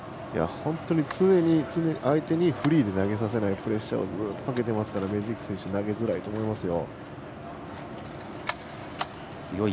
本当に相手にフリーで投げさせないプレッシャーをずっとかけていますからメジーク選手は投げづらいと思いますよ。